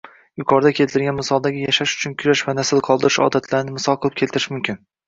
Yuqorida keltirilgan misoldagi yashash uchun kurash va nasl qoldirish odatlarini misol qilib keltirish mumkin